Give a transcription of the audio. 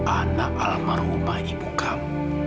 anak almarhumah ibu kamu